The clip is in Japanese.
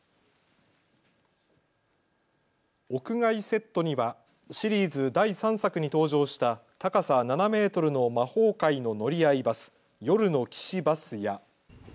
屋外セットにはシリーズ第３作に登場した高さ７メートルの魔法界の乗り合いバス、夜の騎士バスや。